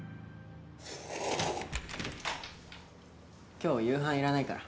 今日夕飯いらないから。